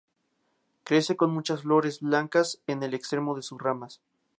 Crece con muchas flores blancas en el extremo de sus ramas.